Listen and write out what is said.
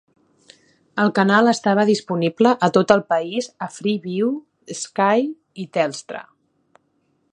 El canal estava disponible a tot el país a Freeview, Sky i Telstra.